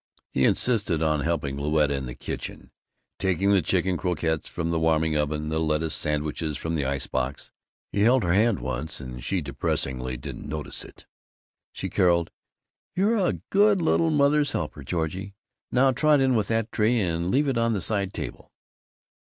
He insisted on helping Louetta in the kitchen: taking the chicken croquettes from the warming oven, the lettuce sandwiches from the ice box. He held her hand, once, and she depressingly didn't notice it. She caroled, "You're a good little mother's helper, Georgie. Now trot in with the tray and leave it on the side table."